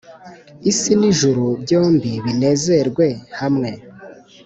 Isi n'ijuru byombi binezerwe hamwe